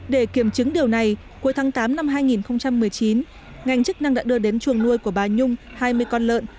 để kiểm chứng điều này cuối tháng tám năm hai nghìn một mươi chín ngành chức năng đã đưa đến chuồng nuôi của bà nhung hai mươi con lợn